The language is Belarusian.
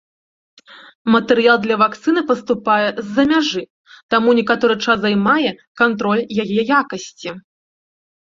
Матэрыял для вакцыны паступае з-за мяжы, таму некаторы час займае кантроль яе якасці.